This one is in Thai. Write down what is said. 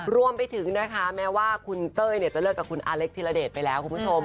รวมไปถึงนะคะแม้ว่าคุณเต้ยจะเลิกกับคุณอาเล็กธิระเดชไปแล้วคุณผู้ชม